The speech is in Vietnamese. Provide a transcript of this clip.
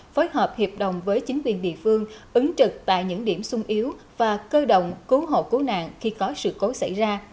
phối hợp hiệp đồng với chính quyền địa phương ứng trực tại những điểm sung yếu và cơ động cứu hộ cứu nạn khi có sự cố xảy ra